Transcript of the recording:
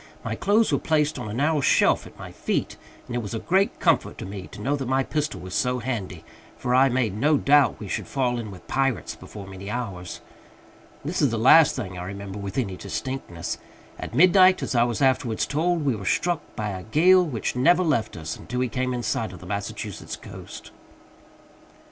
My clothes were placed on a narrow shelf at my feet, and it was a great comfort to me to know that my pistol was so handy, for I made no doubt we should fall in with Pirates before many hours. This is the last thing I remember with any distinctness. At midnight, as I was afterwards told, we were struck by a gale which never left us until we came in sight of the Massachusetts coast.